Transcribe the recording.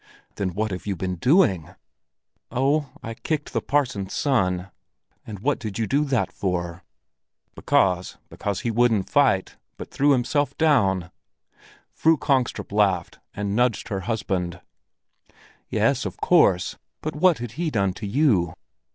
"Then what have you been doing?" "Oh, I kicked the parson's son." "And what did you do that for?" "Because he wouldn't fight, but threw himself down." Fru Kongstrup laughed and nudged her husband. "Yes, of course. But what had he done to you?"